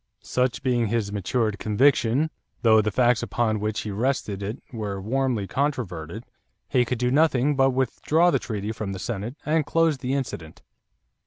Such being his matured conviction, though the facts upon which he rested it were warmly controverted, he could do nothing but withdraw the treaty from the Senate and close the incident.